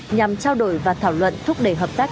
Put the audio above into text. nhằm trao đổi và thảo luận thúc đẩy hợp tác